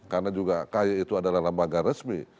karena juga kay itu adalah lembaga resmi